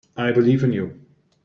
I believe in you.